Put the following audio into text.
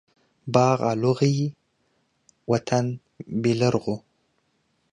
باغ الو غيي ،وطن بيلرغو.